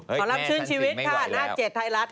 ขอรับชื่นชีวิตค่ะหน้าเจ็ดไทยรัฐ